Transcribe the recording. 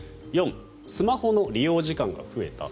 ４、スマホの利用時間が増えた。